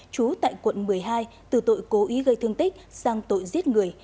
trú tại quận một mươi hai từ tội cố ý gây thương tích sang tội giết người